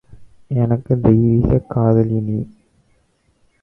எனக்குத் தெய்வீகக் காதலி நீ!